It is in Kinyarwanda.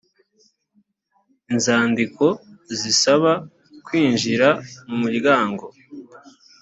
inzandiko zisaba kwinjira m umuryango